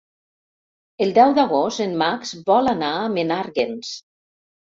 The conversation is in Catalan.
El deu d'agost en Max vol anar a Menàrguens.